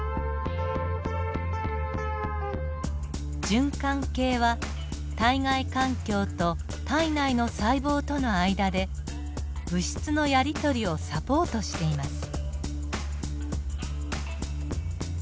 循環系は体外環境と体内の細胞との間で物質のやり取りをサポートしています。